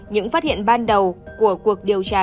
những phát hiện ban đầu của cuộc điều tra